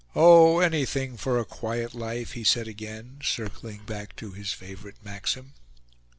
"Oh, anything for a quiet life!" he said again, circling back to his favorite maxim.